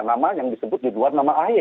nama yang disebut di luar nama ahy